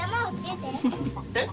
えっ？